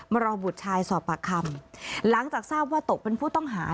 มารอบุตชายสอบปากคำ